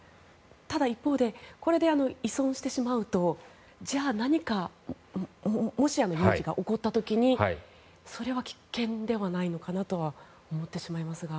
ただ一方でこれで依存してしまうとじゃあ何か有事が起こった時にそれは危険ではないのかなとは思ってしまいますが。